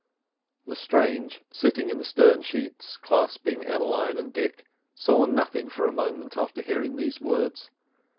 Lestrange, sitting in the stern sheets clasping Emmeline and Dick, saw nothing for a moment after hearing these words.